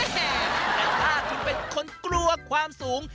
แต่ถ้าคุณเป็นคนกลัวความสูง